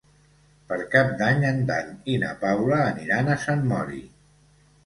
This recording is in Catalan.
Per Cap d'Any en Dan i na Paula aniran a Sant Mori.